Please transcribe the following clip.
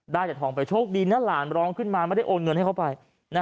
ได้แต่ทองไปโชคดีนะหลานร้องขึ้นมาไม่ได้โอนเงินให้เขาไป